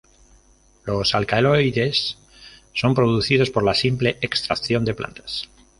Los alcaloides son producidos por la simple extracción de plantas.